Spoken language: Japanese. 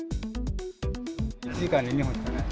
１時間に２本しかない。